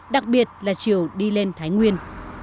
đặc biệt là chiều đi lên thái nguyên